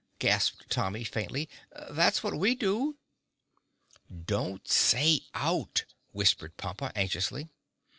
gasped Tommy faintly. "That's what we do!" "Don't say out," whispered Pompa anxiously.